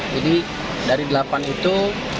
jadi dari delapan itu